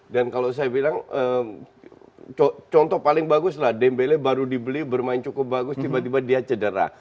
dan kalau saya bilang contoh paling bagus lah dembele baru dibeli bermain cukup bagus tiba tiba dia cedera